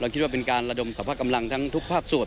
คิดว่าเป็นการระดมสรรพกำลังทั้งทุกภาคส่วน